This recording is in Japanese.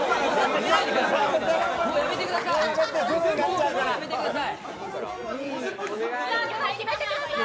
やめてください。